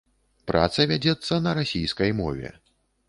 Праца вядзецца на расійскай мове.